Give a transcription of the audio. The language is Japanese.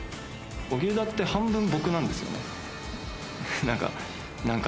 荻生田って半分僕なんですよね。